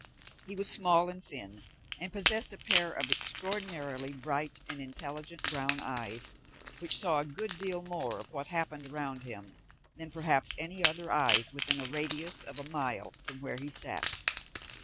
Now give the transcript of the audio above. He was small and thin, and possessed a pair of extraordinarily bright and intelligent brown eyes, which saw a good deal more of what happened around him than perhaps any other eyes within a radius of a mile from where he sat.